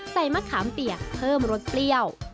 มะขามเปียกเพิ่มรสเปรี้ยว